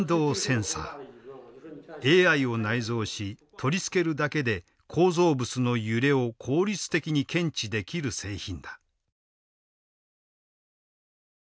ＡＩを内蔵し取り付けるだけで構造物の揺れを効率的に検知できる製品だ。